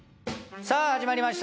さあ始まりました